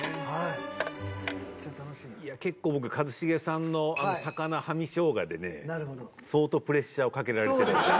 結構僕一茂さんのあの魚生姜でね相当プレッシャーをかけられてると。